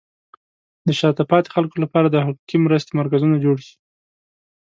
د شاته پاتې خلکو لپاره د حقوقي مرستې مرکزونه جوړ شي.